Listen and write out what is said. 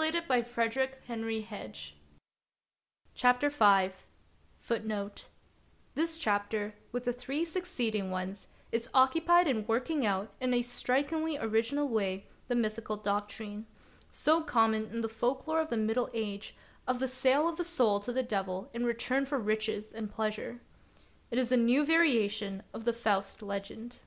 The good Bendel warned him that such words, came they to my ear, would turn him out of his most ^ This chapter, with the three succeeding ones, is occupied in working out in a strikingly original way the mythical doctrine, so common in the folk lore of the Middle Age, of the sale of the soul to the devil in return for riches and pleasure. It is a new variation of the Faust legend.